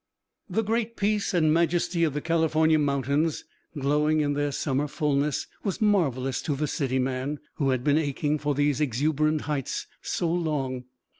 The great peace and majesty of the California mountains, glowing in their summer fulness, was marvelous to the city man, who had been aching for these exuberant heights so long.